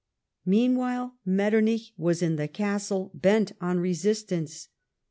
jNIeanwhile, Metternich was in the castle, bent on ix'sistance.